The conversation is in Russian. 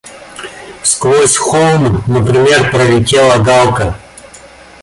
Сквозь холм, например, пролетела галка.